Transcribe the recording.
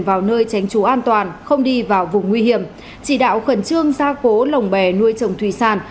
vào nơi tránh trú an toàn không đi vào vùng nguy hiểm chỉ đạo khẩn trương ra cố lồng bè nuôi trồng thủy sản